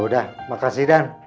ya udah makasih dan